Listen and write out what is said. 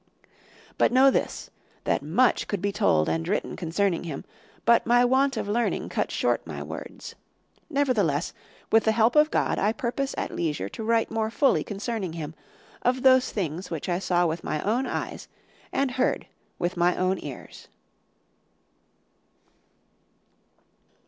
"But know this, that much could be told and written concerning him, but my want of learning cuts short my words. Nevertheless, with the help of God, I purpose at leisure to write more fully concerning him, of those things which I saw with my own eyes and heard with my own ears."